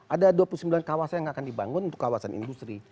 ada dua puluh sembilan kawasan yang akan dibangun untuk kawasan industri